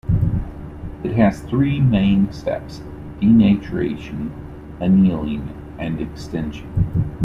It has three main steps: denaturation, annealing, and extension.